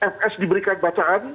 fs diberikan bacaan